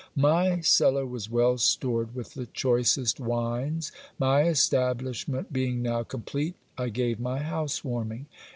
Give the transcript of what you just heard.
My cellar was well stored with the choicest wines. My establishment being now complete, I gave my house warming.